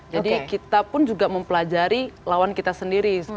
jadi kita pun juga mempelajari lawan kita sendiri